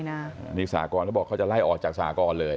นี่สากรเขาบอกเขาจะไล่ออกจากสหกรณ์เลย